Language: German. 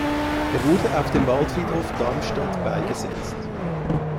Er wurde auf dem Waldfriedhof Darmstadt beigesetzt.